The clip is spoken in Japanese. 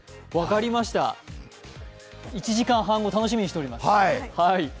分かりました、１時間半後、楽しみにしております。